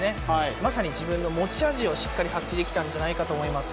まさに自分の持ち味をしっかり発揮できたんじゃないかと思います。